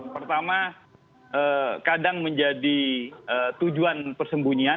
pertama kadang menjadi tujuan persembunyian